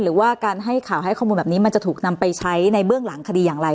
หรือว่าการให้ข่าวให้ข้อมูลแบบนี้มันจะถูกนำไปใช้ในเบื้องหลังคดีอย่างไร